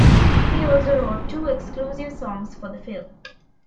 He also wrote two exclusive songs for the film.